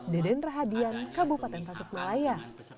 deden rahadian kabupaten tasikmalaya